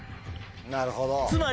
なるほど。